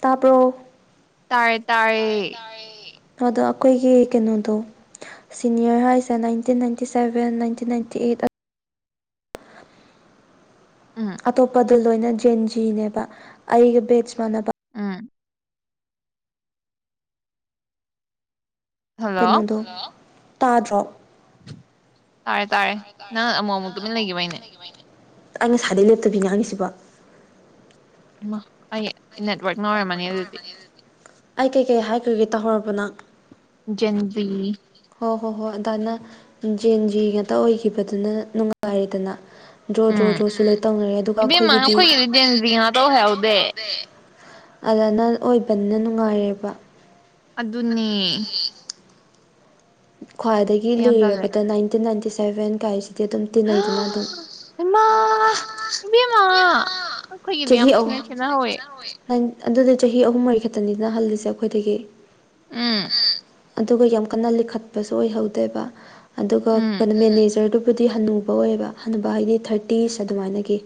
ꯇꯥꯕꯔꯣ ꯇꯥꯔꯦ ꯇꯥꯔꯦ ꯑꯗꯣ ꯑꯩꯈꯣꯏꯒꯤ ꯀꯩꯅꯣꯗꯣ ꯁꯤꯅꯤꯌꯔ ꯍꯥꯏꯁꯦ nineteen ninety seven nineteen ninety eight ꯎꯝ ꯑꯇꯣꯞꯄꯗ ꯂꯣꯏꯅ ꯖꯦꯟꯖꯤꯅꯦꯕ ꯑꯩꯒ ꯕꯦꯠꯁ ꯃꯥꯟꯅꯕ ꯎꯝ ꯍꯜꯂꯣ ꯀꯩꯅꯣꯗꯣ ꯍꯜꯂꯣ ꯇꯥꯗ꯭ꯔꯣ ꯇꯥꯔꯦ ꯇꯥꯔꯦ ꯅꯪ ꯑꯃꯨꯛ ꯑꯃꯨꯛ ꯇꯨꯃꯤꯟ ꯂꯩꯒꯤꯕꯩꯅꯦ ꯑꯩ ꯉꯁꯥꯏꯗꯩ ꯂꯦꯞꯇꯕꯤ ꯉꯥꯡꯉꯤꯁꯤꯕꯣ ꯑꯩ ꯅꯦꯠꯋꯥꯔꯛꯅ ꯑꯣꯏꯔꯝꯃꯅꯤ ꯑꯗꯨꯗꯤ ꯑꯩ ꯀꯩꯀꯩ ꯍꯥꯏꯈꯔꯒꯦ ꯇꯥꯍꯧꯔꯕꯣ ꯅꯪ ꯖꯦꯟꯖꯤ ꯍꯣꯏ ꯍꯣ ꯍꯣꯏ ꯑꯗꯥꯏꯅ ꯖꯦꯟꯖꯤ ꯉꯥꯛꯇ ꯑꯣꯏꯈꯤꯕꯗꯨꯅ ꯅꯨꯡꯉꯥꯏꯔꯦꯗꯅ ꯗ꯭ꯔꯣ ꯗ꯭ꯔꯣ ꯎꯝ ꯗ꯭ꯔꯣꯁꯨ ꯂꯣꯏ ꯇꯧꯅꯔꯦ ꯑꯗꯨꯒ ꯑꯩꯈꯣꯏꯒꯤꯗꯤ ꯖꯦꯟꯖꯤ ꯉꯥꯛ ꯑꯣꯏꯍꯧꯗꯦ ꯑꯗꯥꯏꯅ ꯑꯣꯏꯕꯅ ꯅꯨꯡꯉꯥꯏꯔꯦꯕ ꯑꯗꯨꯅꯦ ꯈ꯭ꯋꯥꯏꯗꯒꯤ ꯑꯩ ꯌꯥꯝ ꯇꯜꯂꯦ ꯂꯤꯔꯕꯗ ꯅꯥꯏꯟꯇꯤꯟ ꯅꯥꯏꯟꯇꯤ ꯁꯚꯦꯟꯒꯥꯏꯁꯤꯗꯤ ꯑꯗꯨꯝ ꯇꯤꯟꯅꯩꯗꯅ ꯑꯗꯨꯝ ꯏꯃꯥ ꯏꯕꯦꯝꯃ ꯑꯩꯈꯣꯏꯒꯤꯗꯤ ꯌꯥꯝ ꯆꯍꯤ ꯑꯍꯨꯝ ꯊꯤꯅ ꯈꯦꯠꯅꯍꯧꯋꯦ ꯑꯗꯨꯗꯤ ꯆꯍꯤ ꯑꯍꯨꯝ ꯃꯔꯤ ꯈꯛꯇꯅꯤꯗꯅ ꯍꯜꯂꯤꯁꯦ ꯑꯈꯣꯏꯗꯒꯤ ꯎꯝ ꯑꯗꯨꯒ ꯌꯥꯝ ꯀꯟꯅ ꯂꯤꯈꯠꯄꯁꯨ ꯑꯣꯏꯍꯧꯗꯦꯕ ꯑꯗꯨꯒ ꯎꯝ ꯀꯩꯅꯣ ꯃꯦꯅꯦꯖꯔꯗꯨ ꯕꯨꯗꯤ ꯍꯟꯅꯨꯕ ꯑꯣꯏꯌꯦꯕ ꯍꯟꯅꯨꯕ ꯍꯥꯏꯗꯤ ꯊꯥꯔꯇꯤꯁ ꯑꯗꯨꯃꯥꯏꯅꯒꯤ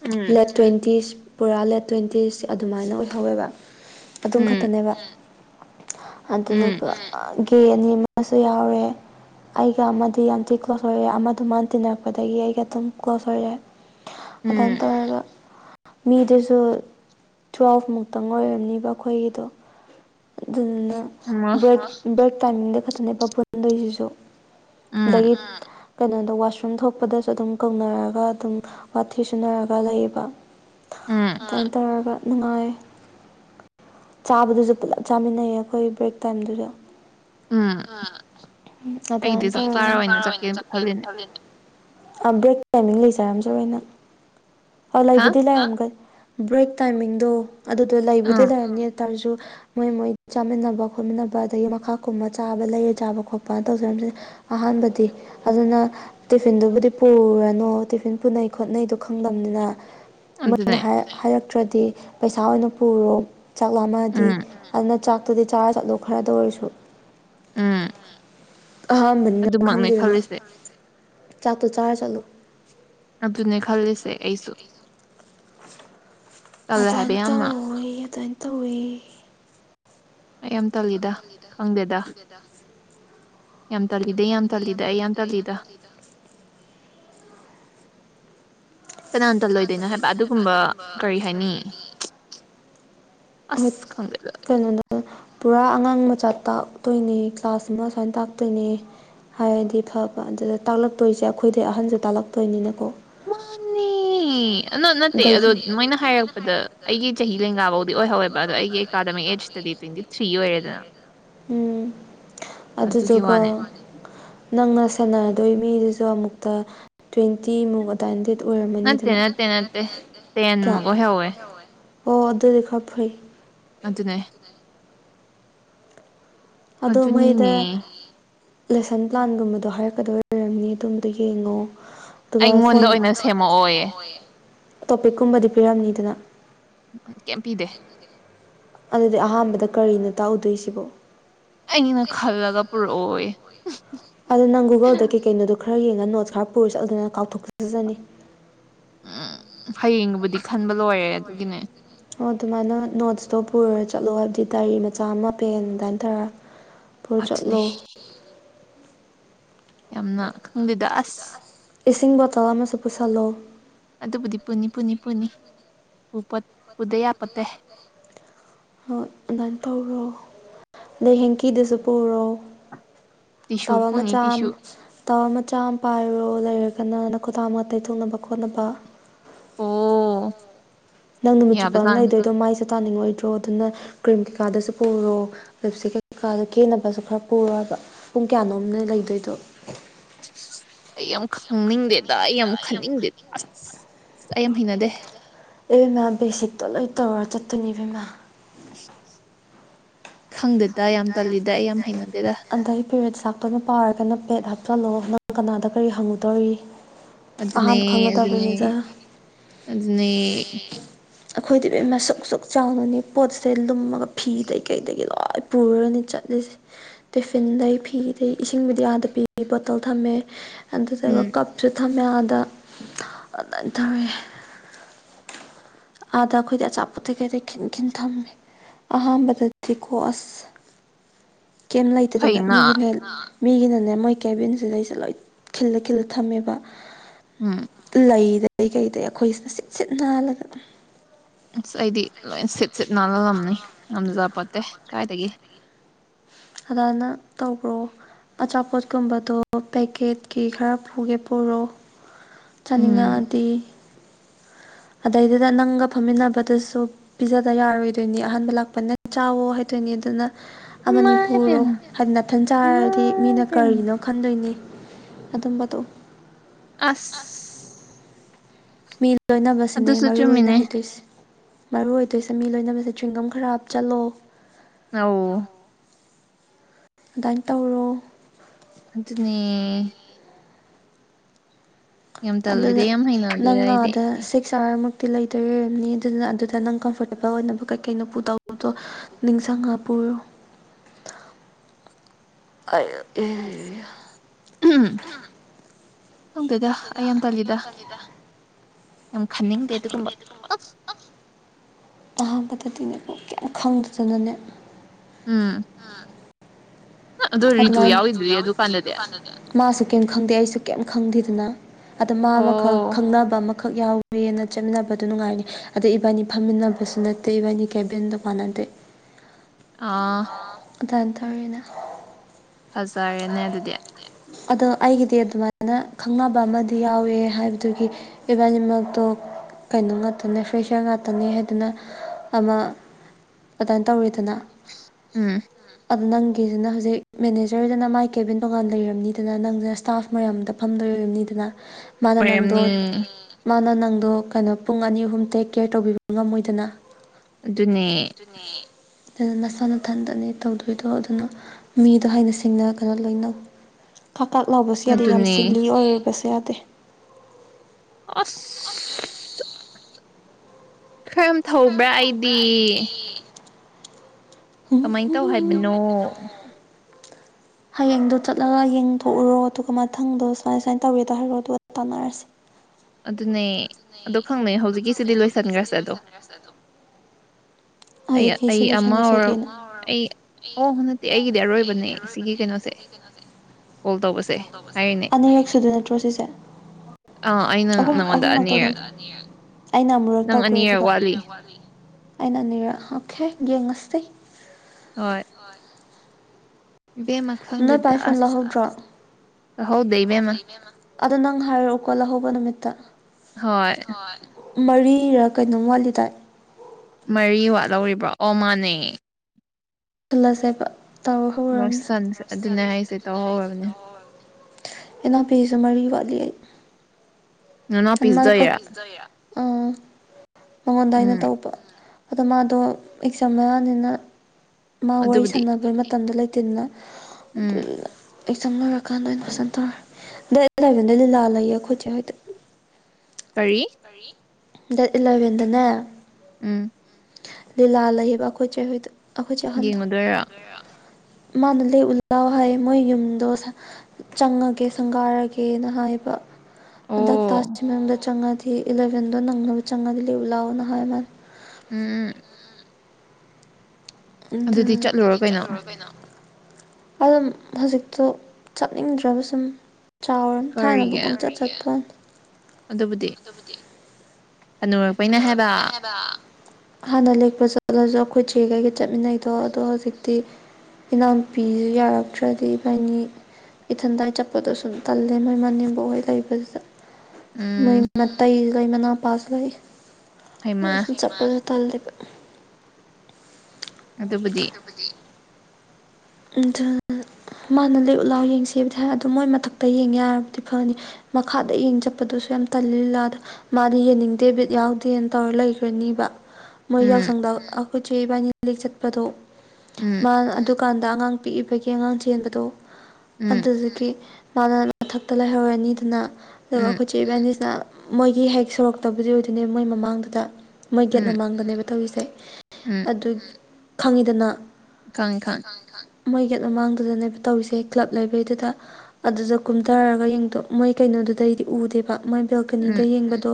ꯎꯝ ꯂꯦꯠ ꯇ꯭ꯋꯦꯟꯇꯤꯁ ꯄꯨꯔꯥ ꯂꯦꯠ ꯇ꯭ꯋꯦꯟꯇꯤꯁ ꯑꯗꯨꯃꯥꯏꯅ ꯑꯣꯏꯍꯧꯋꯦꯕ ꯑꯗꯨꯝ ꯎꯝ ꯈꯛꯇꯅꯦꯕ ꯎꯝ ꯑꯗꯨꯗꯨꯒ ꯒꯦ ꯑꯅꯤ ꯑꯃ ꯑꯃꯁꯨ ꯌꯥꯎꯔꯦ ꯑꯩꯒ ꯑꯃꯗꯤ ꯌꯥꯝ ꯊꯤ ꯀꯂꯣꯁ ꯑꯣꯏꯔꯦ ꯑꯃꯗꯣ ꯃꯥꯅ ꯇꯤꯟꯅꯔꯛꯄꯗꯒꯤ ꯑꯩꯒ ꯑꯗꯨꯝ ꯀꯂꯣꯁ ꯑꯣꯏꯔꯦ ꯑꯗꯥꯏ ꯎꯝ ꯇꯧꯔꯒ ꯃꯤꯗꯨꯁꯨ ꯇꯨꯋꯦꯜꯐ ꯃꯨꯛꯇꯪ ꯑꯣꯏꯔꯝꯅꯤꯕ ꯑꯩꯈꯣꯏꯒꯤꯗꯣ ꯑꯗꯨꯗꯨꯅ ꯎꯝꯃ ꯕ꯭ꯔꯦꯛ ꯕ꯭ꯔꯦꯛ ꯇꯥꯏꯃꯤꯡꯗ ꯈꯛꯇꯅꯦꯕ ꯄꯨꯟꯗꯣꯏꯁꯤꯁꯨ ꯎꯝ ꯑꯗꯒꯤ ꯀꯩꯅꯣꯗ ꯋꯥꯁꯔꯨꯝ ꯊꯣꯛꯄꯗꯁꯨ ꯑꯗꯨꯝ ꯀꯧꯅꯔꯒ ꯑꯗꯨꯝ ꯋꯥꯊꯤ ꯁꯨꯟꯅꯔꯒ ꯂꯩꯌꯦꯕ ꯎꯝ ꯑꯗꯥꯏ ꯇꯧꯔꯒ ꯅꯨꯡꯉꯥꯏ꯫ ꯆꯥꯕꯗꯨꯖꯨ ꯄꯨꯂꯕ ꯆꯥꯃꯤꯟꯅꯩꯌꯦ ꯑꯩꯈꯣꯏ ꯕꯦꯠ ꯇꯥꯏꯝꯗꯨꯗ꯫ ꯎꯝ ꯑ ꯎꯝ ꯑꯗꯨꯃꯥꯏꯇꯧꯔꯅꯤ ꯑꯩꯗꯤ ꯆꯥꯛ ꯆꯥꯔ ꯑꯣꯏꯅ ꯆꯠꯀꯦꯅ ꯈꯜꯂꯤꯅꯤ꯫ ꯑ ꯕꯔꯦꯛ ꯇꯥꯏꯃꯤꯡ ꯂꯩꯖꯔꯝꯖꯥꯔꯣꯏ ꯅꯪ ꯑꯣ ꯍꯥ ꯂꯩꯕꯨ ꯂꯩꯔꯝꯒ [unintelligible] ꯕ꯭ꯔꯦꯛ ꯇꯥꯏꯃꯤꯡꯗꯣ ꯑꯗꯨꯗꯣ ꯂꯩꯕꯨꯗꯤ ꯎꯝ ꯂꯩꯔꯝꯅꯤ ꯑꯗꯨ ꯑꯣꯏꯇꯥꯔꯖꯨ ꯃꯣꯏ ꯃꯣꯏ ꯆꯥꯃꯤꯟꯅꯕ ꯈꯣꯠꯃꯤꯟꯅꯕ ꯑꯗꯒꯤ ꯃꯈꯥ ꯀꯨꯝꯃ ꯆꯥꯕ ꯂꯩꯔ ꯆꯥꯕ ꯈꯣꯠꯄ ꯇꯧꯖꯔꯝ ꯖꯅꯤ꯫ ꯑꯍꯥꯟꯕꯗꯤ ꯑꯗꯨꯅ ꯇꯤꯐꯤꯟꯗꯨꯕꯨꯗꯤ ꯄꯨꯔꯨꯔꯅꯣ ꯇꯤꯐꯤꯟ ꯄꯨꯅꯩ ꯈꯣꯠꯅꯩꯗꯣ ꯈꯪꯗꯝꯅꯤꯅ꯫ ꯃꯣꯏꯅ ꯑꯗꯨꯅꯦ ꯍꯥꯏꯔꯛ ꯍꯥꯏꯔꯛꯇ꯭ꯔꯗꯤ ꯄꯩꯁꯥ ꯑꯣꯏꯅ ꯄꯨꯔꯣ ꯆꯥꯛ ꯂꯥꯝꯃꯛꯑꯗꯤ ꯎꯝ [unintelligible] ꯑꯗꯨꯅ ꯆꯥꯛ ꯑꯗꯨꯗꯤ ꯆꯥꯔ ꯆꯠꯂꯦ ꯈꯔꯗ ꯑꯣꯏꯔꯁꯨ꯫ ꯎꯝ [unintelligible] ꯑꯍꯥꯟꯕꯅꯤꯅ ꯑꯗꯨꯃꯛꯅꯦ ꯈꯪꯗꯦꯗꯅ ꯈꯜꯂꯤꯁꯦ ꯏꯝꯐꯥꯟ ꯆꯠ ꯆꯥꯛꯇꯣ ꯆꯥꯔ ꯆꯠꯂꯨ꯫ ꯑꯗꯨꯅꯦ ꯈꯜꯂꯤꯁꯦ ꯑꯩꯁꯨ꯫ ꯇꯜꯂꯦ ꯍꯥꯏꯕ ꯌꯥꯝꯅ ꯑꯗꯥꯏꯇꯧꯋꯤ [unintelligible] ꯑꯗꯥꯏꯇꯧꯋꯤ ꯑꯩ ꯌꯥꯝ ꯇꯜꯂꯤꯗ ꯈꯪꯗꯦꯗ꯫ ꯈꯪꯗꯦꯗ꯫ ꯌꯥꯝ ꯇꯜꯂꯤꯗ ꯌꯥꯝ ꯇꯜꯂꯤꯗ ꯑꯩ ꯌꯥꯝ ꯇꯜꯂꯤꯗ꯫ ꯀꯅꯥ ꯇꯜꯂꯣꯏꯗꯣꯏꯅꯣ ꯍꯥꯏꯕ ꯑꯗꯨꯒꯨꯝꯕ ꯀꯔꯤ ꯍꯥꯏꯅꯤ꯫ ꯍꯣꯏ ꯑꯁ ꯈꯪꯗꯦꯗꯥ꯫ [unintelligible] ꯄꯨꯔꯥ ꯑꯉꯥꯡ ꯃꯆꯥ ꯇꯥꯛꯇꯣꯏꯅꯦ ꯀ꯭ꯂꯥꯁ ꯑꯃ ꯁꯨꯃꯥꯏ ꯇꯥꯛꯇꯣꯏꯅꯦ꯫ ꯍꯥꯏꯔꯗꯤ ꯐꯕ ꯑꯗꯨꯗ ꯇꯥꯛꯂꯛꯇꯣꯏꯖꯦ ꯑꯩꯈꯣꯏꯗꯩ ꯑꯍꯟꯖꯨ ꯇꯥꯛꯂꯛꯇꯣꯏꯅꯤꯅꯀꯣ꯫ ꯃꯥꯅꯦ꯫ ꯅꯠ ꯅꯠꯇꯦ ꯑꯗꯣ ꯃꯣꯏꯅ ꯍꯥꯏꯔꯛꯄꯗ ꯑꯩꯒꯤ ꯆꯍꯤ ꯂꯦꯡꯒꯥꯕꯥꯎꯗꯤ ꯑꯣꯏꯍꯧꯋꯦꯕ ꯑꯗꯣ ꯑꯩꯒꯤ ꯑꯦꯀꯥꯗꯃꯤꯛ ꯑꯦꯖꯇꯗꯤ ꯇ꯭ꯋꯦꯟꯇꯤ ꯊ꯭ꯔꯤ ꯑꯣꯏꯔꯦꯗꯅ꯫ ꯎꯝ ꯑꯗꯨꯒꯤ ꯑꯗꯨꯗꯨꯒ ꯋꯥꯅꯦ [unintelligible] ꯅꯪꯅ ꯁꯦꯟꯅꯗꯣꯏ ꯃꯤꯗꯨꯖꯨ ꯑꯃꯨꯛꯇ ꯇ꯭ꯋꯦꯟꯇꯤꯃꯨꯡ ꯑꯗꯥꯏꯅꯗꯤ ꯅꯠꯇꯦ ꯑꯣꯏꯔꯝꯃꯅꯤꯗꯅ ꯅꯠ ꯅꯠꯇꯦ ꯇꯦ ꯅꯠꯇꯦ ꯀꯌꯥ ꯇꯦꯟꯃꯨꯛ ꯇꯦꯟ ꯑꯣꯏꯍꯧꯋꯦ [unintelligible] ꯌꯧꯋꯦ ꯑꯣ ꯑꯗꯨꯗꯤ ꯈ ꯐꯩ꯫ ꯑꯗꯨꯅꯦ꯫ ꯑꯗꯨ ꯃꯣꯏꯗ ꯑꯗꯨꯅꯤꯅꯦ [unintelligible] ꯂꯦꯁꯟ ꯄ꯭ꯂꯥꯟꯒꯨꯝꯕꯗꯣ ꯍꯥꯏꯔꯛꯀꯗꯣꯏ ꯑꯣꯏꯔꯝꯅꯤ ꯑꯗꯨꯝꯕꯗꯣ ꯌꯦꯡꯉꯣ꯫ ꯑꯗꯨꯒ ꯐꯣꯟ ꯑꯩꯉꯣꯟꯗ ꯑꯣꯏꯅ ꯁꯦꯝꯃꯛꯑꯣꯌꯦ ꯇꯣꯄꯤꯛꯀꯨꯝꯕꯗꯤ ꯄꯤꯔꯝꯅꯤꯗꯅ꯫ ꯀꯩꯏꯝ ꯄꯤꯗꯦ꯫ ꯑꯗꯨꯗꯤ ꯑꯍꯥꯟꯕꯗ ꯀꯔꯤꯅꯣ ꯇꯥꯛꯑꯨꯗꯣꯏꯁꯤꯕꯣ꯫ ꯑꯩꯒꯤꯅ ꯈꯜꯂꯒ ꯄꯨꯔꯛꯑꯣꯌꯦ꯫ ꯑꯗꯣ ꯅꯪ ꯒꯨꯒꯜꯗ ꯀꯩ ꯀꯩꯅꯣꯗꯣ ꯈꯔ ꯌꯦꯡꯉꯒ ꯅꯣꯠꯁ ꯈꯔ ꯄꯨꯔ ꯆꯠꯂꯨꯅ ꯀꯥꯎꯊꯣꯛꯆꯥꯖꯅꯤ꯫ ꯍꯌꯦꯡꯒꯤꯕꯨꯗꯤ ꯈꯟꯕ ꯂꯣꯏꯔꯦ ꯑꯗꯨꯒꯤꯅꯦ꯫ ꯑꯣ ꯑꯗꯨꯃꯥꯏꯅ ꯅꯣꯠꯁꯇꯣ ꯄꯨꯔ ꯆꯠꯂꯣ ꯍꯥꯏꯕꯗꯤ ꯗꯥꯏꯔꯤ ꯃꯆꯥ ꯑꯃ ꯄꯦꯟ ꯑꯗꯥꯏ ꯇꯧꯔ꯫ ꯄꯨꯔ ꯑꯗꯨꯅꯦ꯫ ꯆꯠꯂꯣ ꯌꯥꯝꯅ ꯈꯪꯗꯦꯗ ꯑꯁ꯫ ꯏꯁꯤꯡ ꯕꯣꯇꯜ ꯑꯃꯁꯨ ꯄꯨꯁꯜꯂꯣ꯫ ꯑꯗꯨꯕꯨꯗꯤ ꯄꯨꯅꯤ ꯄꯨꯅꯤ ꯄꯨꯅꯤ ꯄꯨꯄꯠ ꯄꯨꯗ ꯌꯥꯄꯣꯠꯇꯦ꯫ ꯍꯣꯏ ꯑꯗꯥꯏ ꯇꯧꯔꯣ ꯑꯗꯩ ꯍꯦꯡꯀꯤꯗꯨꯁꯨ ꯄꯨꯔꯣ꯫ ꯇꯤꯁꯨ ꯇꯋꯦꯜ ꯄꯨꯅꯤ ꯃꯆꯥꯝ꯫ ꯇꯤꯁꯨ ꯇꯋꯥꯜ ꯃꯆꯥ ꯑꯃ ꯄꯥꯏꯔꯣ ꯂꯩꯔꯒꯅ ꯅꯈꯨꯠ ꯍꯥꯝꯃ ꯇꯩꯊꯣꯛꯅꯕ ꯈꯣꯠꯅꯕ꯫ ꯑꯣ꯫ ꯅꯪ ꯅꯨꯃꯤꯠ ꯆꯨꯞꯄ ꯑꯃ ꯌꯥꯕꯖꯥꯠꯅꯤ ꯂꯩꯗꯣꯏꯗꯣ ꯃꯥꯏꯁꯦ ꯇꯥꯅꯤꯡꯉꯣꯏꯗ꯭ꯔꯣ ꯑꯗꯨꯅ ꯀ꯭ꯔꯤꯝ ꯀꯤꯀꯥꯗꯨꯁꯨ ꯄꯨꯔꯣ꯫ ꯂꯤꯞꯁꯇꯤꯛ ꯀꯩꯀꯥꯗꯣ ꯀꯦꯟꯅꯕꯁꯨ ꯈꯔ ꯄꯨꯔꯣ ꯍꯥꯏꯕ ꯄꯨꯡ ꯀꯌꯥꯅꯣꯝꯅꯦ ꯂꯩꯗꯣꯏꯗꯣ꯫ ꯑꯩ ꯌꯥꯝ ꯈꯪꯅꯤꯡꯗꯦꯗ ꯑꯩ ꯌꯥꯝ ꯈꯟꯅꯤꯡꯗꯦꯗ꯫ ꯑꯁ ꯑꯩ ꯌꯥꯝ ꯍꯩꯅꯗꯦ꯫ ꯑꯩ ꯅꯍꯥꯟ ꯕꯦꯁꯤꯛꯇꯣ ꯂꯣꯏ ꯇꯧꯔ ꯆꯠꯇꯣꯏꯅꯦ ꯏꯕꯦꯝꯃꯥ꯫ ꯈꯪꯗꯦꯗ ꯌꯥꯝ ꯇꯜꯂꯤꯗ ꯑꯩ ꯌꯥꯝ ꯍꯩꯅꯗꯦꯗ꯫ ꯑꯗꯩ ꯄꯦꯔꯦꯠ ꯂꯥꯛ ꯄꯅꯥ ꯄꯥꯔꯒꯅ ꯄꯦꯠ ꯍꯥꯞꯆꯤꯜꯂꯣ ꯅꯪ ꯀꯅꯥꯗ ꯀꯔꯤ ꯍꯪꯉꯨꯗꯧꯔꯤ꯫ ꯑꯗꯨꯅꯦ ꯑꯍꯥꯟꯕ ꯑꯗꯨꯅꯦ ꯈꯪꯅꯗꯕꯅꯤꯗ꯫ ꯑꯗꯨꯅꯦ꯫ ꯑꯩꯈꯣꯏꯗꯤ ꯃꯁꯨꯛ ꯑꯁꯨꯛ ꯆꯥꯎꯅꯅꯤ ꯄꯣꯠꯁꯦ ꯂꯨꯝꯃꯒ ꯐꯤꯗꯩ ꯀꯩꯗꯒꯤ ꯂꯣꯏ꯫ ꯄꯨꯔꯅꯤ ꯆꯠꯂꯤꯁꯦ꯫ ꯇꯤꯐꯤꯟꯗꯩ ꯐꯤꯗ ꯏꯁꯤꯡꯕꯨꯗꯤ ꯑꯥꯗ ꯄꯤ ꯕꯣꯇꯜ ꯊꯝꯃꯦ꯫ ꯑꯗꯨꯗꯨꯒ ꯎꯝ ꯀꯞꯁꯨ ꯊꯝꯃꯦꯗ ꯑꯗꯨꯃꯥꯏꯅ ꯇꯧꯋꯦ꯫ ꯑꯥꯗ ꯑꯩꯈꯣꯏꯗꯤ ꯑꯆꯥꯄꯣꯠꯠꯇꯩ ꯀꯩꯗ ꯈꯤꯟ ꯈꯤꯟ ꯊꯝꯃꯦ ꯑꯍꯥꯟꯕꯗꯗꯤ꯫ ꯁꯤꯀꯣꯁ ꯀꯦꯝ ꯂꯩꯇꯗꯅ ꯐꯩꯅ ꯃꯤꯒꯤ ꯍꯦꯜ꯫ ꯃꯤꯒꯤꯅꯅꯦ ꯃꯣꯏ ꯀꯦꯕꯤꯟꯁꯤꯗꯩꯁꯦ ꯂꯣꯏ ꯈꯤꯜꯂ ꯈꯤꯜꯂ ꯊꯝꯃꯦꯕ꯫ ꯎꯝ꯫ ꯂꯩꯗꯗꯒꯤ ꯀꯩꯗꯩ ꯑꯩꯈꯣꯏꯁꯤꯅ ꯁꯤꯠ ꯁꯤꯠ ꯅꯥꯜꯂꯒ ꯫ ꯑꯁ ꯑꯩꯗꯤ ꯂꯣꯏ ꯁꯤꯠ ꯁꯤꯠ ꯅꯥꯜꯍꯜꯂꯝꯅꯤ ꯉꯝꯖꯕꯄꯣꯠꯇꯦ ꯀꯥꯏꯗꯒꯤ꯫ ꯐꯖꯅ ꯇꯧꯕ꯭ꯔꯣ? ꯑꯆꯥꯄꯣꯠꯀꯨꯝꯕꯗꯣ ꯄꯦꯀꯦꯠꯀꯤ ꯈꯔ ꯄꯨꯒꯦ ꯄꯨꯔꯣ ꯎꯝ ꯆꯥꯅꯤꯡꯉꯛꯗꯤ꯫ ꯑꯗꯩꯗꯨꯗ ꯅꯪꯒ ꯐꯝꯃꯤꯟꯅꯕꯗꯨꯁꯨ ꯄꯤꯖꯗ ꯌꯥꯔꯣꯏꯗꯣꯏꯅꯤ ꯑꯍꯥꯟꯕ ꯂꯥꯛꯄꯅꯤ ꯆꯥꯋꯣ ꯍꯥꯏꯗꯣꯏꯅꯤ ꯑꯗꯨꯅ ꯑꯃꯅꯤ ꯏꯃꯥꯏ ꯄꯨꯔꯣ ꯄꯦꯝꯃ ꯍꯥꯏꯗꯤ ꯅꯥꯊꯟ ꯆꯥꯔꯗꯤ ꯏꯃꯥꯏ ꯃꯤꯅ ꯄꯦꯝꯃ ꯀꯔꯤꯅꯣ ꯈꯟꯗꯣꯏꯅꯤ ꯑꯗꯨꯝꯕꯗꯣ꯫ ꯑꯁ꯫ ꯃꯤ ꯂꯣꯏꯅꯕꯁꯤꯅꯦ ꯑꯗꯨꯁꯨ ꯃꯔꯨ ꯆꯨꯝꯃꯤꯅꯦ ꯑꯣꯏꯅ ꯍꯩꯇ꯭ꯔꯤꯁꯤ꯫ ꯃꯔꯨ ꯑꯣꯏꯗꯣꯏꯁꯦ ꯃꯤ ꯂꯣꯏꯅꯕꯁꯦ ꯆꯨꯏꯡꯒꯝ ꯈꯔ ꯍꯥꯞꯆꯜꯂꯣ꯫ ꯑꯧ꯫ ꯑꯗꯥꯏ ꯇꯧꯔꯣ꯫ ꯑꯗꯨꯅꯦ ꯌꯥꯝ ꯇꯜꯂꯤꯗ ꯑꯗꯨꯅ ꯌꯥꯝ ꯅꯪ ꯍꯩꯅꯗꯦꯗ ꯑꯩꯗꯤ ꯑꯗ ꯁꯤꯛ ꯆꯥ ꯑꯃꯨꯛꯇꯤ ꯂꯩꯗꯣꯏ ꯑꯣꯏꯔꯝꯅꯤ ꯑꯗꯨꯅ ꯑꯗꯨꯗ ꯅꯪ ꯀꯝꯐꯣꯔꯇꯦꯕꯜ ꯑꯣꯏꯅꯕ ꯀꯩ ꯀꯩꯅꯣ ꯄꯨꯗꯧꯗꯣ ꯅꯤꯡꯁꯤꯡꯉ ꯄꯨꯔꯣ꯫ ꯀꯩ ꯎꯍꯝ ꯑꯁ ꯌꯥ꯫ ꯎꯝ ꯈꯪꯗꯦꯗ ꯑꯩ ꯌꯥꯝ ꯇꯜꯂꯤꯗ꯫ ꯌꯥꯝ ꯈꯟꯅꯤꯡꯗꯦ ꯑꯗꯨꯒꯨꯝꯕ ꯑꯥ꯫ ꯑꯍꯥ ꯇꯥꯕꯗꯗꯤꯅꯦ ꯀꯩꯝ ꯈꯪꯗꯗꯅꯅꯦ꯫ ꯎꯝ꯫ ꯑꯗꯣ ꯔꯤꯇꯨ ꯑꯗꯨꯃꯥꯏ, ꯌꯥꯎꯔꯤꯗꯨꯗꯤ ꯌꯥꯎꯔꯤꯗꯨ ꯑꯗꯨꯀꯥꯟꯗꯗꯤ ꯅꯨꯄꯥꯗ꯫ ꯃꯥꯁꯨ ꯀꯩꯝ ꯈꯪꯗꯦ ꯑꯩꯁꯨ ꯀꯩꯝ ꯈꯪꯗꯦꯗꯅ ꯑꯗ ꯃꯥ ꯑꯃꯈꯛ ꯑꯣ ꯈꯪꯅꯕ ꯑꯃꯛ ꯈꯛ ꯌꯥꯎꯋꯦꯅ ꯆꯠꯃꯤꯟꯅꯕꯗꯣ ꯅꯨꯡꯉꯥꯏꯅꯤ ꯑꯗꯩ ꯏꯕꯥꯅꯤ ꯐꯝꯃꯤꯟꯅꯕꯁꯨ ꯅꯠꯇꯦ ꯏꯕꯥꯅꯤ ꯀꯦꯕꯤꯟꯗꯣ ꯃꯥꯟꯅꯗꯦ꯫ ꯑꯥ ꯑꯗꯥꯏꯟ ꯇꯧꯔꯤꯅꯣ ꯐꯖꯔꯦꯅꯦ ꯑꯗꯨꯗꯤ ꯑꯗꯣ ꯑꯩꯒꯤꯗꯤ ꯑꯗꯨꯃꯥꯏꯅ ꯈꯪꯅꯕ ꯑꯃꯗꯤ ꯌꯥꯎꯋꯦ ꯍꯥꯏꯕꯗꯨꯒꯤ ꯏꯕꯥꯅꯤꯃꯛꯇꯣ ꯀꯩꯅꯣ ꯉꯥꯛꯇꯅꯦ ꯐꯔꯦꯁꯔ ꯉꯥꯛꯇꯅꯦ ꯍꯥꯏꯗꯅ ꯑꯃ ꯑꯗꯥꯏ ꯇꯧꯔꯦꯗꯅ ꯎꯝ ꯑꯗꯣ ꯅꯪꯒꯤꯗꯨꯅ ꯍꯧꯖꯤꯛ ꯃꯦꯅꯦꯖꯔꯗꯨꯅ ꯃꯥꯏ ꯀꯦꯚꯟ ꯇꯣꯉꯥꯟ ꯂꯩꯔꯝꯅꯤꯗꯅ ꯅꯪꯅ ꯏꯁꯇꯥꯐ ꯃꯌꯥꯝꯗ ꯐꯝꯗꯣꯏꯑꯣꯏꯔꯝꯅꯤꯗꯅ ꯃꯥꯅ ꯅꯪꯗꯣ ꯑꯣꯏꯔꯝꯅꯤ ꯃꯥꯅ ꯅꯪꯗꯣ ꯀꯩꯅꯣ ꯄꯨꯡ ꯑꯅꯤ ꯑꯍꯨꯝ ꯇꯦꯛ ꯀꯦꯌꯔ ꯇꯧꯕꯤꯕ ꯉꯝꯃꯣꯏꯗꯅ ꯑꯗꯨꯅꯦ ꯑꯗꯨꯅꯦ ꯅꯁꯥ ꯅꯥꯊꯟꯗꯅꯦ ꯇꯧꯗꯣꯏꯗꯣ ꯑꯗꯨꯅ ꯃꯤꯗꯣ ꯍꯩꯅ ꯁꯤꯡꯅ ꯑꯗꯨꯂꯩꯅꯧ ꯐꯥꯛ ꯐꯥꯛꯛ ꯂꯥꯎꯕꯁꯨ ꯌꯥꯗꯦ ꯌꯥꯝ ꯑꯗꯨꯅꯦ ꯁꯤꯜꯂꯤ ꯑꯣꯏꯕꯁꯨ ꯌꯥꯗꯦ ꯑꯁ ꯀꯔꯝ ꯇꯧꯕ꯭ꯔꯥ ꯑꯩꯗꯤ ꯀꯃꯥꯏ ꯇꯧ ꯍꯥꯏꯕꯅꯣ ꯍꯌꯦꯡꯗꯣ ꯆꯠꯂꯒ ꯌꯦꯡꯊꯣꯛꯎꯔꯣ ꯑꯗꯨꯒ ꯃꯊꯪꯗꯣ ꯁꯨꯃꯥꯏ ꯁꯨꯃꯥꯏꯅ ꯇꯧꯋꯦꯗꯣ ꯍꯥꯏꯔꯣ ꯑꯗꯨꯒ ꯇꯥꯟꯅꯔꯁꯤ ꯑꯗꯨꯅꯦ ꯑꯗꯣ ꯈꯪꯅꯩ ꯍꯧꯖꯤꯛ ꯈꯪꯅꯩ ꯍꯧꯖꯤꯛꯀꯤꯁꯤꯗꯤ ꯂꯣꯏꯁꯟꯈ꯭ꯔꯁꯦ ꯑꯗꯨꯝ ꯑꯩ ꯑꯩ ꯑꯃ ꯂꯣꯏꯁꯟꯈ꯭ꯔꯁꯦ ꯑꯣꯏꯔꯕ ꯑꯗꯨꯒꯤꯅ ꯑꯩ ꯑꯣ ꯍꯟꯗꯛꯇꯤ ꯑꯩꯒꯤꯗꯤ ꯑꯔꯣꯏꯕꯅꯦ ꯁꯤꯒꯤ ꯀꯩꯅꯣꯁꯦ ꯀꯣꯜ ꯇꯧꯕꯁꯦ ꯍꯥꯏꯔꯤꯅꯦ ꯑꯅꯤꯔꯛ ꯁꯨꯗꯣꯏ ꯅꯠꯇ꯭ꯔꯣ ꯁꯤꯁꯦ ꯑꯥ ꯑꯩ ꯅꯪ ꯑꯍꯨꯝ ꯅꯪꯉꯣꯟꯗ ꯑꯍꯨꯝ ꯑꯅꯤꯔꯛ [unintelligible] ꯑꯩꯅ ꯑꯃꯨꯔꯛ ꯅꯪ ꯇꯧꯈ꯭ꯔꯦ ꯑꯅꯤꯔꯛ ꯑꯗꯨꯒ ꯋꯥꯠꯂꯤ ꯑꯩꯅ ꯑꯅꯤꯔꯛ ꯑꯣꯀꯦ ꯌꯦꯡꯉꯁꯦ ꯍꯣꯏ ꯏꯕꯦꯝꯃ ꯅꯣꯏ ꯈꯪꯗꯦꯗ ꯄꯥꯏꯐꯣꯟ ꯑꯁ ꯂꯧꯍꯧꯗ꯭ꯔꯣ ꯇꯧꯍꯧꯗꯦ ꯏꯕꯦꯝꯃ ꯑꯗꯣ ꯅꯪ ꯍꯥꯏꯔꯛꯑꯣꯀꯣ ꯂꯧꯍꯧꯕ ꯅꯨꯃꯤꯠꯇ ꯍꯣꯏ ꯃꯔꯤꯔꯥ ꯀꯩꯅꯣꯝ ꯋꯥꯠꯂꯤꯗꯥꯏ ꯃꯔꯤ ꯋꯥꯠꯂꯧꯔꯤꯕ꯭ꯔꯣ ꯑꯣ ꯃꯥꯅꯦ ꯁꯤꯜꯂꯁꯦꯕ ꯃꯣꯏ ꯇꯧꯍꯧꯔꯝꯅꯦ ꯁꯟꯁꯦ ꯑꯗꯨꯅꯦ ꯍꯥꯏꯁꯦ ꯇꯧꯍꯧꯔꯕꯅꯦ ꯏꯅꯥꯎꯄꯤꯁꯨ ꯃꯔꯤ ꯋꯥꯠꯂꯤ ꯅꯅꯥꯎꯄꯤꯁꯤꯗꯩꯔꯥ [unintelligible] ꯎꯝ ꯃꯉꯣꯟꯗ ꯑꯩꯅ ꯎꯝ ꯇꯧꯕ ꯑꯗꯣ ꯃꯥꯗꯣ ꯑꯦꯛꯖꯥꯝ ꯃꯌꯥꯅꯤꯅ ꯃꯥ ꯋꯥꯔꯤ ꯑꯗꯨꯕꯨꯗꯤ ꯁꯥꯟꯅꯕꯩ ꯃꯇꯝꯗꯣ ꯂꯩꯇꯦꯗꯅ ꯑꯗꯨ ꯎꯝ ꯑꯦꯛꯖꯝ ꯂꯣꯏꯔꯀꯥꯟꯗ ꯑꯣꯏꯅ ꯐꯖꯅ ꯇꯧꯔ ꯗꯦꯗ ꯏꯜꯂꯕꯦꯟꯗ ꯂꯤꯂꯥ ꯂꯩꯌꯦ ꯈꯣꯏ ꯆꯦ ꯍꯣꯏꯗ ꯀꯔꯤ ꯗꯦꯗ ꯏꯂꯚꯦꯟꯗꯅꯦ ꯎꯝ ꯂꯤꯂꯥ ꯂꯩꯌꯦꯕ ꯑꯩꯈꯣꯏ ꯆꯦ ꯈꯣꯏ ꯆꯦ ꯑꯍꯟꯗꯣ ꯌꯦꯡꯉꯨꯗꯣꯏꯔꯥ ꯌꯦꯡꯉꯨꯗꯨꯏꯔꯣ ꯃꯥꯅ ꯂꯦꯛ ꯎ ꯂꯎ ꯍꯥꯏꯌꯦ ꯃꯣꯏ ꯌꯨꯝꯗꯣ ꯆꯪꯉꯒꯦ ꯁꯪꯒꯥꯔꯒꯦꯅ ꯍꯥꯏꯕ ꯍꯟꯗꯛ ꯑꯣ ꯎꯝ ꯇꯁꯤꯗ ꯆꯪꯉꯗꯤ ꯏꯂꯚꯦꯟꯗꯣ ꯅꯪꯅꯕ ꯆꯪꯉꯗꯤ ꯂꯦꯛꯎ ꯂꯥꯎꯅ ꯍꯥꯏꯕ ꯎꯝ ꯑꯗꯨ ꯑꯗꯨꯗꯤ ꯆꯠꯂꯨꯔꯣ ꯀꯩꯅꯣ ꯑꯗꯨꯝ ꯍꯧꯖꯤꯛꯇꯣ ꯆꯠꯅꯤꯡꯗ꯭ꯔꯕ ꯁꯨꯝ ꯆꯥꯎꯔ [inaudible] ꯊꯥꯏꯅꯕꯨ ꯀꯔꯤꯒꯤ ꯄꯪꯆꯠ ꯆꯠꯄ꯭ꯋꯥꯅꯤ ꯑꯗꯨꯕꯨꯗꯤ ꯍꯅꯨꯔꯛꯄꯩꯅ ꯍꯥꯏꯕ [unintelligible] ꯍꯥꯟꯅ ꯂꯦꯛꯄ ꯆꯠꯂꯁꯨ ꯑꯩꯈꯣꯏ ꯆꯦꯒ ꯑꯩꯒ ꯆꯠꯃꯤꯟꯅꯩꯗꯣ ꯑꯗꯣ ꯍꯧꯖꯤꯛꯇꯤ ꯏꯅꯥꯎꯄꯤꯁꯨ ꯌꯥꯔꯛꯇ꯭ꯔꯗꯤ ꯏꯕꯥꯟꯅꯤ ꯏꯊꯟꯗ ꯑꯩ ꯆꯠꯄꯗꯣ ꯁꯨꯝ ꯇꯜꯂꯦ ꯃꯣꯏ ꯃꯅꯦꯝꯕꯣꯛꯍꯣꯏ ꯂꯩꯕꯁꯤꯗ ꯃꯣꯏ ꯎꯝ ꯃꯇꯩ ꯂꯩ ꯃꯅꯥꯎꯄꯥꯁꯨ ꯂꯩ ꯍꯩꯃ ꯑꯗꯨ ꯁꯨꯝ ꯆꯠꯄꯗꯣ ꯇꯜꯂꯤꯕ ꯑꯗꯨꯕꯨꯗꯤ ꯕꯨꯗꯤ [inaudible] ꯃꯥꯅ ꯂꯦꯛꯎ ꯂꯥꯎ ꯌꯦꯡꯁꯦꯕꯨꯗꯤ ꯍꯥꯏ ꯑꯗꯣ ꯃꯣꯏ ꯃꯊꯛꯇ ꯌꯦꯡ ꯌꯥꯔꯕꯨꯗꯤ ꯐꯅꯤ ꯃꯈꯥꯗ ꯌꯦꯡ ꯆꯠꯄꯗꯨꯁꯨ ꯌꯥꯝ ꯇꯜꯂꯦ ꯂꯤꯂꯥꯗꯣ ꯃꯥꯗꯤ ꯌꯦꯡꯅꯤꯡꯗꯦ ꯕꯤꯠ ꯌꯥꯎꯗꯦꯅ ꯇꯧꯔ ꯂꯩꯈ꯭ꯔꯅꯤꯕ ꯃꯣꯏ ꯎꯝ ꯌꯥꯎꯁꯪꯗ ꯑꯩꯈꯣꯏ ꯆꯦ ꯏꯕꯥꯟꯅꯤ ꯂꯦꯛ ꯆꯠꯄꯗꯣ ꯎꯝ ꯑꯗꯨ ꯀꯥꯟꯗ ꯑꯉꯥꯡ ꯄꯤꯛꯏꯕꯒꯤ ꯑꯉꯥꯡ ꯆꯦꯟꯕꯗꯣ ꯎꯝ ꯑꯗꯨꯗꯨꯒꯤ ꯃꯥꯅ ꯃꯊꯛꯇ ꯂꯩꯍꯧꯔꯅꯤꯗꯅ ꯑꯗꯨꯒ ꯎꯝ ꯑꯩꯈꯣꯏ ꯆꯦ ꯏꯕꯥꯟꯅꯤꯁꯤꯅ ꯃꯣꯏꯒꯤ ꯍꯦꯛ ꯁꯣꯔꯣꯛꯇꯕꯨꯗꯤ ꯑꯣꯏꯗꯣꯏꯅꯦꯕ ꯃꯣꯏ ꯃꯃꯥꯡꯗꯨꯗ ꯃꯣꯏ ꯒꯦꯠ ꯎꯝ ꯃꯃꯥꯡꯗꯅꯦꯕ ꯇꯧꯔꯤꯁꯦ ꯎꯝ ꯑꯗꯨ ꯈꯪꯉꯤꯗꯅ ꯈꯪꯉꯦ ꯈꯪꯉꯦ ꯃꯣꯏ ꯒꯦꯠ ꯃꯃꯥꯡꯗꯨꯗꯅꯦꯕ ꯇꯧꯔꯤꯁꯦ ꯀ꯭ꯂꯕ ꯂꯩꯕꯩꯗꯨꯗ ꯑꯗꯨꯗ ꯀꯨꯝꯊꯔꯒ ꯌꯦꯡꯗꯣꯛ ꯃꯣꯏ ꯀꯩꯅꯣꯗꯨꯗꯩꯗꯤ ꯎꯗꯦꯕ ꯃꯣꯏ ꯎꯝ ꯕꯦꯜꯀꯣꯅꯤꯗꯩ ꯌꯦꯡꯕꯗꯣ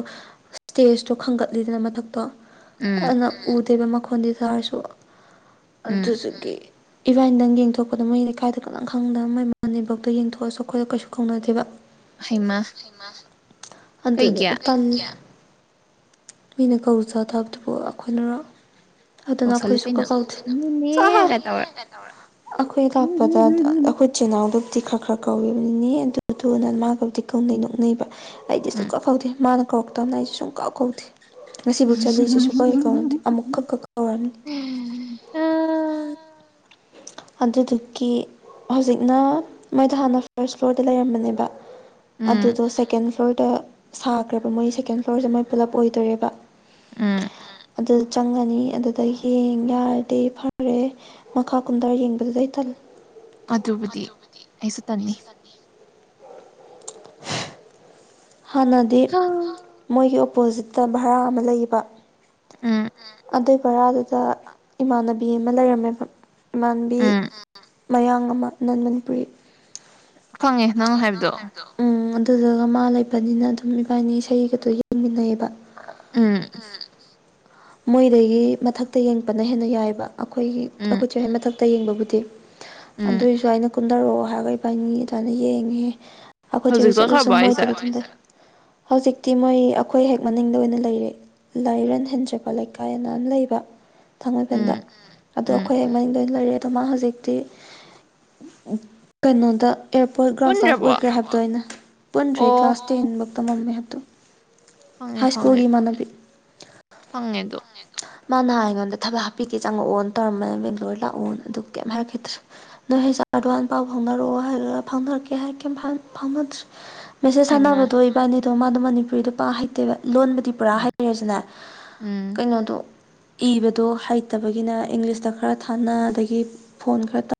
ꯁ꯭ꯇꯦꯖꯇꯣ ꯈꯟꯒꯠꯂꯤꯗꯅ ꯃꯊꯛꯇꯣ ꯎꯝ ꯑꯗꯨꯅ ꯎꯗꯦꯕ ꯃꯈꯣꯟꯗꯤ ꯇꯥꯔꯁꯨ ꯎꯝ ꯑꯗꯨꯗꯨꯒꯤ ꯏꯕꯥꯥꯟꯅꯤꯗꯪ ꯌꯦꯡ ꯊꯣꯛꯄꯗꯣ ꯃꯣꯏ ꯂꯩꯀꯥꯏꯗ ꯀꯅꯥꯝ ꯈꯪꯗꯝ ꯃꯣꯏ ꯃꯅꯦꯝꯕꯣꯛꯇꯣ ꯌꯦꯡꯊꯣꯛꯑꯁꯨ ꯑꯩꯈꯣꯏꯗ ꯀꯩꯁꯨ ꯀꯧꯅꯗꯦꯕ ꯍꯩꯃ ꯍꯩꯃꯥ ꯑꯗꯨꯅꯦ ꯀꯩꯒꯤ [inaudible] ꯃꯤꯅ ꯀꯧ ꯆꯔꯛꯇꯕꯗꯨꯕꯨ ꯑꯩꯈꯣꯏꯅꯔꯣ ꯑꯗꯨꯅ ꯀꯧꯁꯜꯂꯨ ꯑꯩꯈꯣꯏ ꯁꯨꯛꯀꯧ ꯀꯩꯅꯣ ꯀꯧꯗꯦ ꯅꯦꯅꯦ ꯒ ꯇꯧꯔ [inaudible] ꯑꯩꯈꯣꯏ ꯂꯥꯛꯄꯗ ꯎꯝ ꯑꯩꯈꯣꯏ ꯆꯦꯅꯥꯎꯗꯨꯕꯨꯗꯤ ꯈꯔ ꯈꯔ ꯀꯧꯏ ꯅꯤꯅꯦ ꯑꯗꯨ ꯐꯗꯥ ꯃꯥꯒꯕꯨꯗꯤ ꯀꯧꯅꯩ ꯅꯣꯛꯅꯩꯕ ꯑꯩꯗꯤ ꯁꯨꯡ ꯎꯝ ꯀꯧ ꯀꯧꯗꯦ ꯃꯥꯅ ꯀꯧꯔꯛꯇꯕꯅꯦ ꯑꯩꯁꯨ ꯁꯨꯡ ꯀꯧ ꯀꯧꯗꯦ ꯉꯁꯤꯕꯨ ꯆꯠꯂꯤꯁꯤꯁꯨ ꯁꯨꯛꯀꯧ ꯍꯦꯛ ꯀꯧꯅꯗꯦ ꯑꯃꯨꯛ ꯈꯛ ꯈꯛ ꯀꯧꯔꯝꯅꯤ [unintelligible] ꯑꯗꯨꯗꯨꯒꯤ ꯍꯧꯖꯤꯛꯅ ꯃꯣꯏꯗꯣ ꯍꯥꯟꯅ ꯐꯥꯔꯁ ꯐ꯭ꯂꯣꯔꯗ ꯂꯩꯔꯝꯕꯅꯦꯕ ꯎꯝ ꯑꯗꯨꯗꯣ ꯁꯦꯀꯦꯟ ꯐ꯭ꯂꯣꯔꯗ ꯁꯥꯈ꯭ꯔꯕ ꯃꯣꯏ ꯁꯦꯀꯦꯟ ꯐ꯭ꯂꯣꯔꯁꯦ ꯃꯣꯏ ꯄꯨꯜꯂꯞ ꯑꯣꯏꯗꯣꯔꯦꯕ ꯎꯝ ꯑꯗꯨꯗ ꯆꯪꯉꯅꯤ ꯑꯗꯨꯗ ꯌꯦꯡ ꯌꯥꯔꯗꯤ ꯐꯔꯦ ꯃꯈꯥ ꯀꯨꯝꯗꯔ ꯌꯦꯡꯕꯗꯨꯗꯤ ꯑꯩ ꯇꯜꯂꯦ ꯑꯗꯨꯕꯨꯗꯤ ꯑꯩꯁꯨ ꯇꯟꯅꯤ ꯍꯥꯟꯅꯗꯤ ꯎꯝ ꯃꯣꯏꯒꯤ ꯑꯣꯄꯣꯖꯤꯠꯇ ꯚꯔꯥ ꯑꯃ ꯂꯩꯕ ꯎꯝ ꯑꯗꯨꯏ ꯚꯔꯥꯗꯨꯗ ꯏꯃꯥꯟꯅꯕꯤ ꯑꯃ ꯂꯩꯔꯝꯃꯦꯕ ꯏꯃꯥꯟꯕꯤ ꯎꯝ ꯃꯌꯥꯡ ꯑꯃ ꯅꯟ ꯃꯅꯤꯄꯨꯔꯤ ꯈꯪꯉꯦ ꯅ [inaudible] ꯎꯝ ꯑꯗꯨꯗꯨꯒ ꯃꯥ ꯂꯩꯕꯅꯤꯅ ꯑꯗꯨꯝ ꯏꯕꯥꯅꯤ ꯏꯁꯩꯒꯗꯣ ꯌꯦꯡꯃꯤꯟꯅꯩꯑꯦꯕ꯫ ꯎꯝ ꯃꯣꯏꯗꯒꯤ ꯃꯊꯛꯇ ꯌꯦꯡꯉꯛꯄꯅ ꯍꯦꯟꯅ ꯌꯥꯏꯑꯦꯕ꯫ ꯑꯩꯈꯣꯏꯒꯤ ꯎꯝ ꯑꯈꯣꯏ ꯆꯨ ꯍꯦꯟ ꯃꯊꯛꯇ ꯌꯦꯡꯕꯕꯨꯗꯤ ꯎꯝ ꯑꯗꯨꯏꯁꯨ ꯑꯩꯅ ꯀꯨꯟꯊꯔꯛꯑꯣ ꯍꯥꯏꯔꯒ ꯐꯅꯤ ꯑꯗꯨꯃꯥꯏꯅ ꯌꯦꯡꯉꯦ ꯑꯈꯣꯏ ꯍꯧꯖꯤꯛ [inaudible] ꯆꯠꯂꯨ ꯁꯨꯝ ꯆꯠꯈ꯭ꯔꯕꯣ ꯃꯣꯏꯗ ꯍꯥꯏꯁꯦ ꯑꯗꯨꯝ [inaudible] ꯍꯧꯖꯤꯛꯇꯤ ꯃꯣꯏ ꯑꯩꯈꯣꯏ ꯍꯦꯛ ꯃꯅꯤꯡꯗ ꯑꯣꯏꯅ ꯂꯩꯔꯦ ꯂꯥꯏꯔꯟ ꯍꯦꯟꯖꯛ ꯑ ꯂꯩꯀꯥꯏꯅ ꯑꯃ ꯂꯩꯕ ꯊꯥꯡꯃꯩꯕꯟꯗ꯫ ꯎꯝ ꯑꯗꯣ ꯎꯝ ꯑꯈꯣꯏ ꯍ ꯃꯅꯤꯡ ꯂꯣꯏ ꯑꯣꯏꯅ ꯂꯩꯔꯦ ꯑꯗꯣ ꯃꯥ ꯍꯧꯖꯤꯛꯇꯤ ꯀꯩꯅꯣꯗ ꯑꯦꯌꯥꯔꯄꯣꯔꯠ ꯒ꯭ꯔꯥꯎꯟ ꯁꯇꯥꯐ ꯄꯨꯟꯗ꯭ꯔꯕꯣ ꯑꯣꯏꯈ꯭ꯔꯦ ꯍꯥꯏꯕꯗꯣ ꯑꯩꯅ ꯄꯨꯟꯗ꯭ꯔꯦ ꯑꯣ ꯀ꯭ꯂꯥꯁ ꯇꯦꯟꯐ ꯇꯃꯝꯃꯦ ꯍꯥꯏꯕꯗꯣ꯫ ꯍꯥꯏ ꯁ꯭ꯀꯨꯜꯒꯤ ꯏꯃꯥꯟꯅꯕꯤ꯫ ꯐꯪꯉꯦꯟ ꯃꯥ ꯅꯍꯥꯟ ꯑꯩꯉꯣꯟꯗ ꯊꯕꯛ ꯍꯥꯞꯄꯤꯒꯦ ꯆꯪꯉꯛꯑꯣꯅ ꯇꯧꯔꯝꯕꯅꯦ ꯕꯦꯡꯒ꯭ꯂꯣꯔ ꯂꯥꯛꯑꯣꯅ ꯑꯗꯨ ꯀꯩꯝ ꯍꯥꯏꯔꯛꯈꯤꯗ꯭ꯔꯦ꯫ ꯅꯣꯏ ꯍꯩ ꯆꯥꯔ ꯑꯗꯨꯋꯥꯏ ꯄꯥꯎ ꯐꯥꯎꯅꯔꯛꯑꯣ ꯍꯥꯏ ꯐꯥꯎꯅꯔꯛꯀꯦ ꯍꯥꯏ ꯀ ꯐꯥꯎꯅꯗ꯭ꯔꯦ꯫ ꯃꯦꯁꯦꯁ ꯍꯩꯃ ꯊꯥꯟꯅꯕꯗꯣ ꯏꯕꯥꯏꯅꯤꯗꯣ ꯃꯥꯗꯣ ꯃꯅꯤꯄꯨꯔꯤꯗꯣ ꯄꯥ ꯍꯩꯇꯦꯕ ꯂꯣꯟꯕꯗꯤ ꯄꯨꯔꯥ ꯎꯝ ꯍꯩꯔꯦꯁꯨꯅꯦ ꯎꯝ ꯀꯩꯅꯣꯗꯣ ꯏꯕꯗꯣ ꯍꯩꯇꯕꯒꯤꯅ ꯏꯪꯂꯤꯁꯇ ꯈꯔ ꯊꯥꯅ ꯑꯗꯒꯤ ꯐꯣꯟ ꯈꯔ ꯇ